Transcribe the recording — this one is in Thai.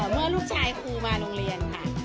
เมื่อลูกชายครูมาโรงเรียนค่ะ